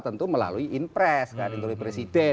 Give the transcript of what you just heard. tentu melalui inpres kan ditulis presiden